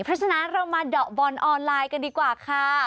เพราะฉะนั้นเรามาเดาะบอลออนไลน์กันดีกว่าค่ะ